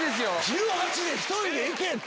１８で１人で行け！って。